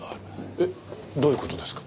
えっ？どういう事ですか？